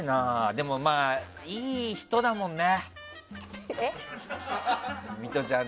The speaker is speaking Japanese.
でもまあ、いい人だもんね。